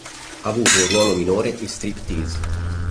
Ha avuto un ruolo minore in "Striptease".